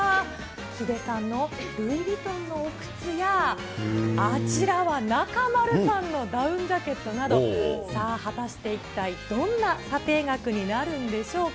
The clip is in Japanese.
ヒデさんのルイ・ヴィトンのお靴や、あちらは中丸さんのダウンジャケットなど、果たして、一体どんな査定額になるんでしょうか。